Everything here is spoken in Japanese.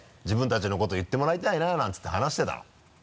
自分たちのこと言ってもらいたいななんていって話してたの。